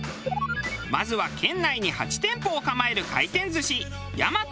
まずは県内に８店舗を構える回転寿司やまと。